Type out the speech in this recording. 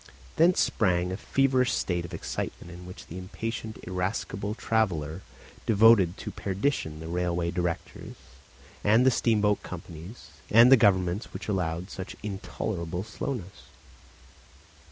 Thence sprang a feverish state of excitement in which the impatient irascible traveller devoted to perdition the railway directors and the steamboat companies and the governments which allowed such intolerable slowness.